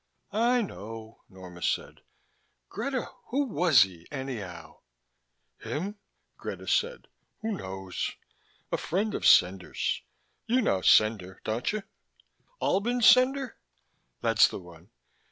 "I know," Norma said. "Greta, who was he, anyhow?" "Him?" Greta said. "Who knows? A friend of Cendar's you know Cendar, don't you?" "Albin Cendar?" "That's the one.